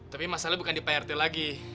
tapi masalahnya bukan di prt lagi